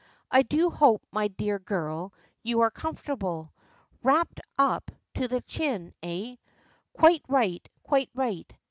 I do hope, my dear girl, you are comfortable! Wrapped up to the chin, eh? Quite right quite right.